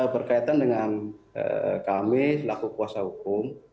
berkaitan dengan kami selaku kuasa hukum